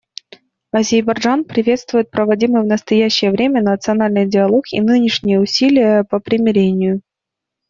Азербайджан приветствует проводимый в настоящее время национальный диалог и нынешние усилия по примирению.